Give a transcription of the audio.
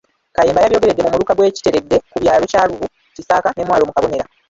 Kayemba yabyogeredde mu Muluka gw'e Kiteredde ku byalo Kyalubu, Kisaaka ne Mwalo mu Kabonera.